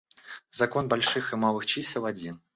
Закон больших и малых чисел один.